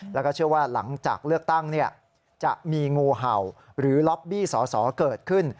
แล้วก็เชื่อว่าหลังจากเลือกตั้งจะมีงูเห่าหรือล็อบบี้สอสอเกิดขึ้น